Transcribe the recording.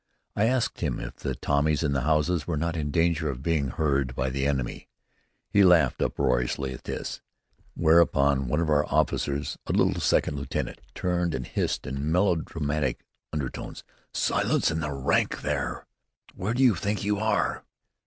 I asked him if the Tommies in the houses were not in danger of being heard by the enemy. He laughed uproariously at this, whereupon one of our officers, a little second lieutenant, turned and hissed in melodramatic undertones, "Silence in the ranks there! Where do you think you are!"